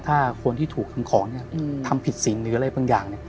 ถ้าคนที่ถูกทำของทำผิดสิ่งหรืออะไรบางอย่าง